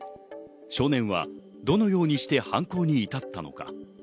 少年はどのようにして犯行に至ったのか。